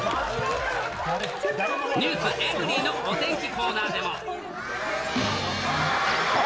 ｎｅｗｓｅｖｅｒｙ．のお天気コーナーでは。